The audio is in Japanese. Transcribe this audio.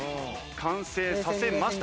完成させました。